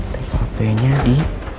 tkp nya di